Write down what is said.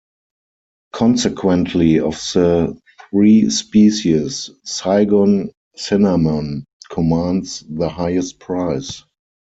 Consequently, of the three species, Saigon cinnamon commands the highest price.